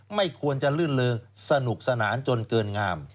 ไม่ควรจะลื่นลือสนุกสนานจนเกินงาม